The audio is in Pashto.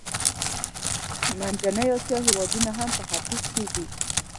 منځنۍ اسیا هېوادونه هم په ختیځ کې دي.